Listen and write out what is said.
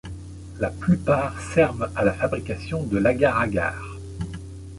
La plupart servent à la fabrication de l'agar-agar.